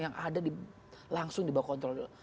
yang ada langsung dibawa kontrol